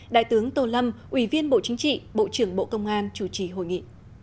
đại tướng tô lâm ủy viên bộ chính trị bộ trưởng bộ công an chủ trì hội nghị